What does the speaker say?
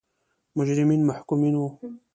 مجرمین محکومین وو.